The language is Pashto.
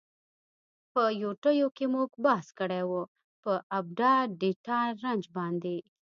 په یوټیو کی مونږ بحث کړی وه په آپډا ډیټا رنج باندی.